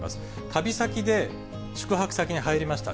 旅先で、宿泊先に入りました。